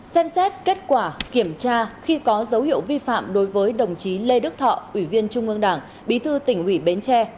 xem xét kết quả kiểm tra khi có dấu hiệu vi phạm đối với đồng chí lê đức thọ ủy viên trung ương đảng bí thư tỉnh ủy bến tre